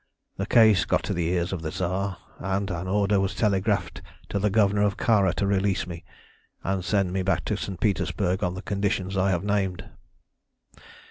The case got to the ears of the Tsar, and an order was telegraphed to the Governor of Kara to release me and send me back to St. Petersburg on the conditions I have named.